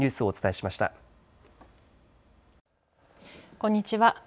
こんにちは。